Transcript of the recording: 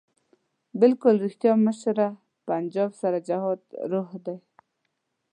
بلکل ريښتيا مشره پنجاب سره جهاد رواح دی